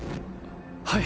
はい！